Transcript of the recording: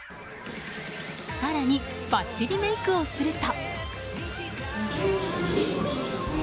更にバッチリメイクをすると。